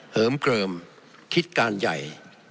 เหิมเกลิมคิดการใหญ่